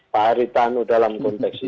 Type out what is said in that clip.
pak haritanu dalam konteks